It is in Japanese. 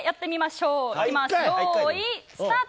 ようい、スタート。